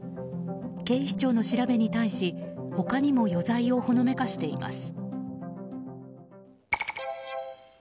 警視庁の調べに対し他にも余罪をほのめかしています。